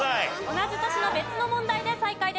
同じ年の別の問題で再開です。